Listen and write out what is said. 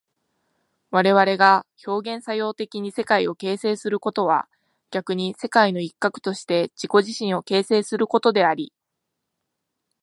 我々が表現作用的に世界を形成することは逆に世界の一角として自己自身を形成することであり、